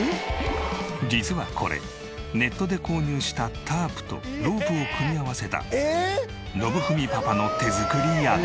実はこれネットで購入したタープとロープを組み合わせたのぶふみパパの手作り屋根。